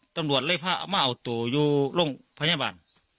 ตำรวจเลยพามาเอาตัวอยู่โรงพยาบาล